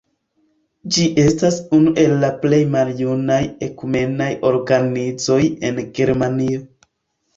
Ĝi estas unu el la plej maljunaj ekumenaj organizoj en Germanio.